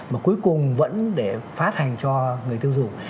mà cuối cùng vẫn để phát hành cho người tiêu dùng